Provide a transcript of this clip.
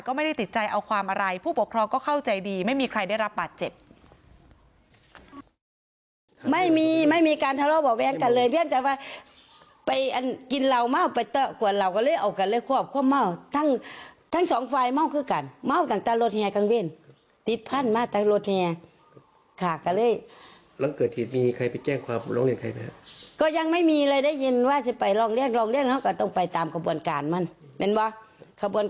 ก็ไม่ได้ติดใจเอาความอะไรผู้ปกครองก็เข้าใจดีไม่มีใครได้รับบาดเจ็บ